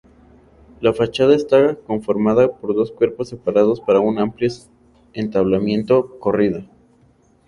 La fachada esta con formada por dos cuerpos separados por un amplio entablamento corrido.